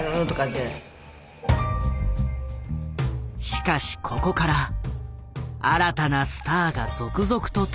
しかしここから新たなスターが続々と誕生していく。